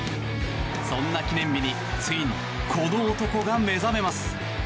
そんな記念日についに、この男が目覚めます。